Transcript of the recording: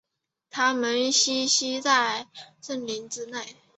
它们栖息在森林之内。